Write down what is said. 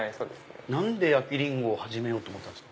何で焼きリンゴを始めようと思ったんですか？